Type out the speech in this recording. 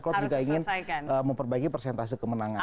klub juga ingin memperbaiki persentase kemenangan